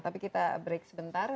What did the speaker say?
tapi kita break sebentar